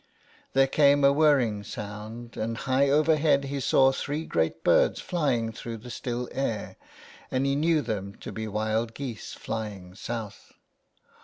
There came a whirring sound, and high overhead he saw three great birds flying through the still air, and he knew them to be wild geese flying south.